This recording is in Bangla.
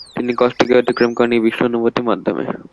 তিনি কষ্টকে অতিক্রম করেন এই বিশ্ব অনুভূতির মাধ্যমে।